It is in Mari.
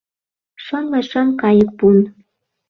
Шымле шым кайык пун